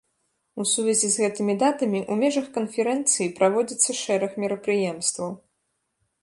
У сувязі з гэтымі датамі ў межах канферэнцыі праводзіцца шэраг мерапрыемстваў.